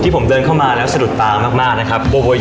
ผมเดินเข้ามาแล้วสะดุดตามากนะครับ